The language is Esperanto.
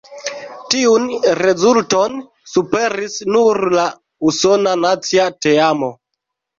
Tiun rezulton superis nur la usona nacia teamo.